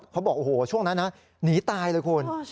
เขาบอกโอ้โหช่วงนั้นนะหนีตายเลยคุณ